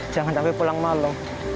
jangan sampai pulang malam